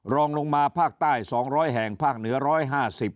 รองลงมาภาคใต้สองร้อยแห่งภาคเหนือร้อยห้าสิบ